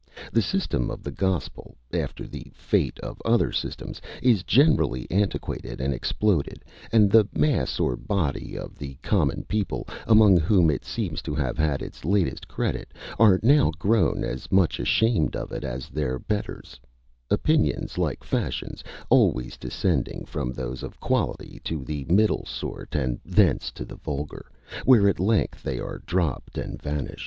The system of the Gospel, after the fate of other systems, is generally antiquated and exploded, and the mass or body of the common people, among whom it seems to have had its latest credit, are now grown as much ashamed of it as their betters; opinions, like fashions, always descending from those of quality to the middle sort, and thence to the vulgar, where at length they are dropped and vanish.